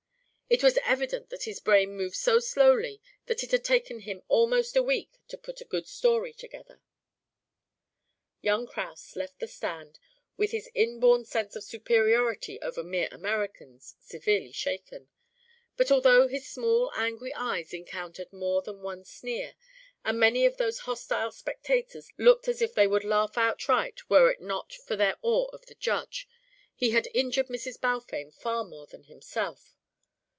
It was evident that his brain moved so slowly that it had taken him almost a week to put a good story together. Young Kraus left the stand with his inborn sense of superiority over mere Americans severely shaken, but although his small angry eyes encountered more than one sneer, and many of those hostile spectators looked as if they would laugh outright were it not for their awe of the Judge, he had injured Mrs. Balfame far more than himself.